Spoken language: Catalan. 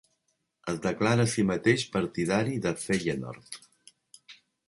Es declara a si mateix partidari de Feyenoord.